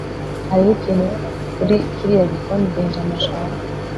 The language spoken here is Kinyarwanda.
hariho ikintu kuri kiriya gikoni benjamin ashaka